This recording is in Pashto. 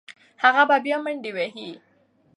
هغه به بیا منډې وهي.